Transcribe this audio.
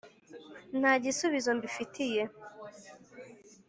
nta gisubizo’mbi fitiye